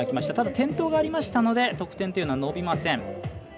ただ、転倒がありましたので得点というのは伸びません。